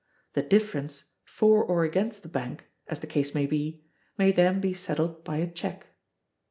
The difference, for or against the bank, as the case may be, may then be settled by a check.